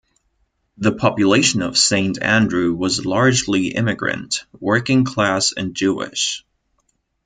The population of Saint Andrew was largely immigrant, working class and Jewish.